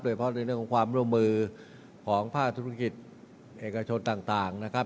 เพราะในเรื่องของความร่วมมือของภาคธุรกิจเอกชนต่างนะครับ